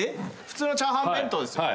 普通のチャーハン弁当ですよ？